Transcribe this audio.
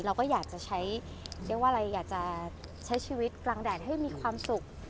เราก็อยากจะใช้ชีวิตกลางแดดให้มีความสุข